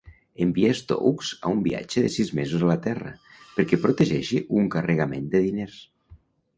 Envia Stokes a un viatge de sis mesos a la Terra perquè protegeixi un carregament de diners.